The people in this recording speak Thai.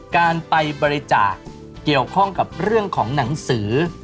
การไปบริจาคเกี่ยวข้องกับเรื่องของหนังสือ